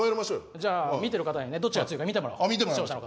じゃあ見てる方にねどっちが強いか見てもらおう視聴者の方に。